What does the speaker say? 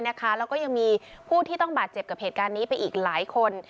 แล้วก็ยังมีผู้ที่ต้องบาดเจ็บกับเหตุการณ์นี้ไปอีกหลายคน